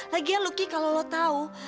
lagi ya luki kalau lo tau